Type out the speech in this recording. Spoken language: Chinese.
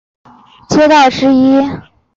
潘家园是北京市朝阳区的街道之一。